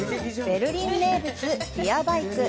ベルリン名物・ビアバイク。